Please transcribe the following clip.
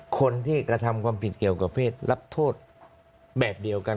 คนที่กระทำความผิดเกี่ยวกับเพศรับโทษแบบเดียวกัน